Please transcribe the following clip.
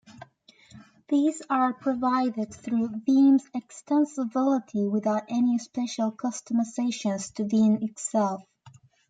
These are provided through Vim's extensibility, without any special customizations to Vim itself.